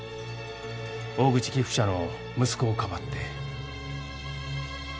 大口寄付者の息子をかばって。